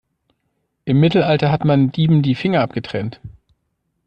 Im Mittelalter hat man Dieben die Finger abgetrennt.